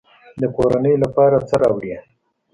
د کورنۍ لپاره څه راوړئ؟